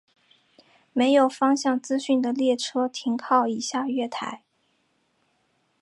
没有方向资讯的列车停靠以下月台。